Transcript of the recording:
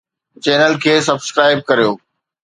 channel کي subscribe ڪريو